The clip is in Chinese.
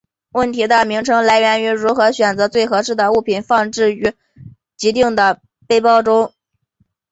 问题的名称来源于如何选择最合适的物品放置于给定背包中。